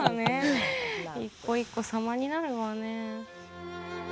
一個一個様になるわね。